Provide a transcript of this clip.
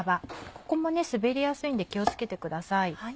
ここも滑りやすいんで気を付けてください。